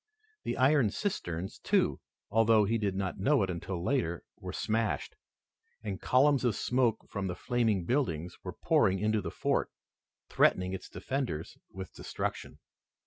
The iron cisterns, too, although he did not know it until later, were smashed, and columns of smoke from the flaming buildings were pouring into the fort, threatening its defenders with destruction.